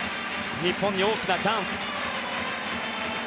日本に大きなチャンス。